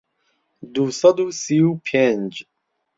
دوو سەد و سی و پێنج